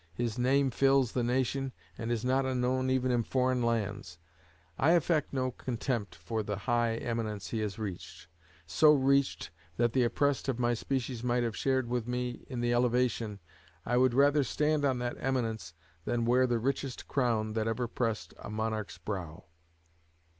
His name fills the nation, and is not unknown even in foreign lands. I affect no contempt for the high eminence he has reached; so reached that the oppressed of my species might have shared with me in the elevation, I would rather stand on that eminence than wear the richest crown that ever pressed a monarch's brow."